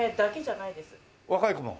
若い子も？